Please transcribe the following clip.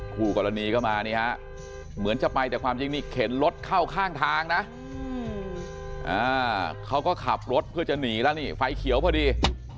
คู่กรณีก็มานี่ฮะเหมือนจะไปแต่ความจริงนี่เข็นรถเข้าข้างทางนะเขาก็ขับรถเพื่อจะหนีแล้วนี่ไฟเขียวพอดี